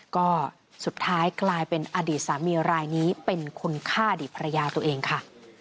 ก็สุดท้ายกลายเป็นอดีตสามีรายนี้เป็นคนฆ่าอดีตภรรยาตัวเองค่ะ